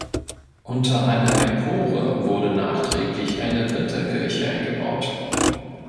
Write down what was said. Unter einer Empore wurde nachträglich eine Winterkirche eingebaut.